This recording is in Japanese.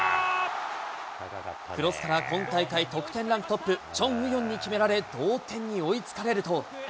クロスから今大会得点ランクトップ、チョン・ウヨンに決められ、同点に追いつかれると。